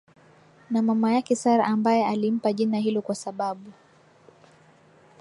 Na mama yake Sarah ambaye alimpa jina hilo kwa sababu